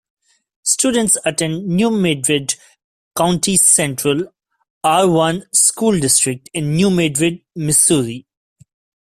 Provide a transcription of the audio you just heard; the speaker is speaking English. Students attend New Madrid County Central R-I School District in New Madrid, Missouri.